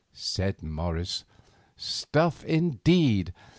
said Morris. "Stuff, indeed!